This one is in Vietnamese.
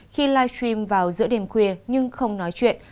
khi live stream vào giữa đêm khuya nhưng không nói chuyện